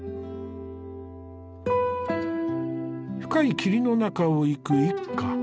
深い霧の中を行く一家。